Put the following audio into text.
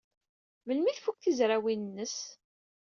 Melmi ay tfuk tizrawin-nnes?